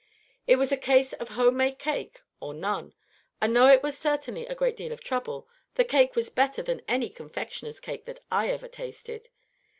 It was a case of home made cake or none; and though it was certainly a great deal of trouble, the cake was better than any confectioner's cake that I ever tasted.